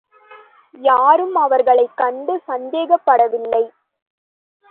யாரும் அவர்களைக் கண்டு சந்தேகப்படவில்லை.